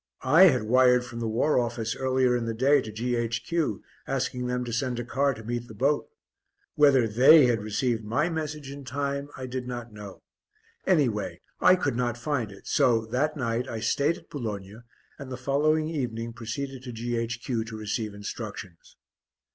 I had wired from the War Office earlier in the day to G.H.Q., asking them to send a car to meet the boat. Whether they had received my message in time I did not know anyway I could not find it, so, that night, I stayed at Boulogne, and the following evening proceeded to G.H.Q. to receive instructions.